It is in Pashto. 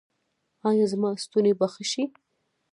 ایا زما ستونی به ښه شي؟